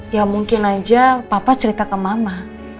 ya mungkin aja papa cerita ke mama